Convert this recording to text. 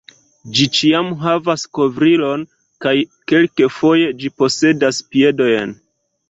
Ĝi ĉiam havas kovrilon kaj kelkfoje ĝi posedas piedojn.